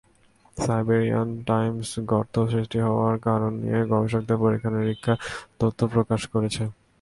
Siberian Times গর্ত সৃষ্টি হওয়ার কারণ নিয়ে গবেষকদের পরীক্ষা-নিরীক্ষার তথ্য প্রকাশ করেছে।